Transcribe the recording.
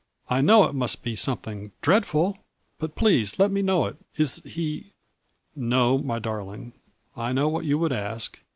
I know it must be something ■ dreadful, but please let me know it. Is he —?" '"No, my darling. I know what you would ask.